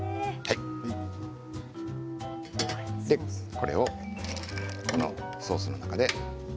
これをソースの中で。